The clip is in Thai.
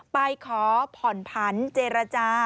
ไปขอผ่อนผันเจรจา